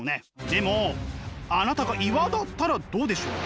でもあなたが岩だったらどうでしょう？